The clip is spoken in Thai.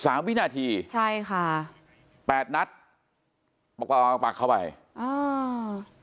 สามวินาทีใช่ค่ะแปดนัดปากปากเข้าไปอ้าว